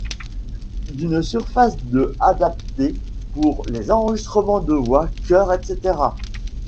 D'une surface de adapté pour les enregistrements de voix, chœurs, etc.